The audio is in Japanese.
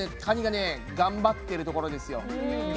カニがね頑張ってるところですよ。